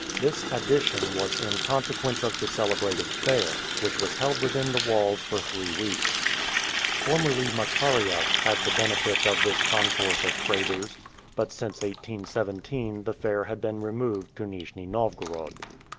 This addition was in consequence of the celebrated fair, which was held within the walls for three weeks. Formerly Makariew had the benefit of this concourse of traders, but since 1817 the fair had been removed to Nijni Novgorod.